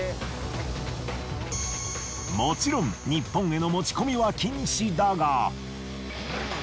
もちろん日本への持ち込みは禁止だが。